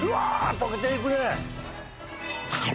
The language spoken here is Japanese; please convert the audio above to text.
溶けていくね。